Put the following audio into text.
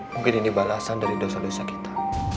mungkin ini balasan dari dosa dosa kita